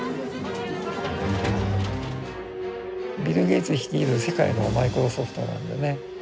ビル・ゲイツ率いる世界のマイクロソフトなんでね。